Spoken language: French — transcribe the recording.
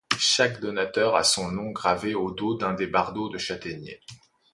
Chaque donateur a son nom de gravé au dos d’un des bardeaux de châtaignier.